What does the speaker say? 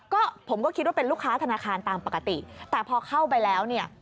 ก็ผมก็คิดว่าเป็นลูกค้าธนาคารตามปกติแต่พอเข้าไปแล้วเนี่ย